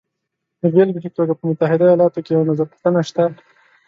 د بېلګې په توګه په متحده ایالاتو کې یو نظرپوښتنه شته